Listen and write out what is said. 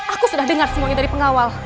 aku sudah dengar semuanya dari pengawal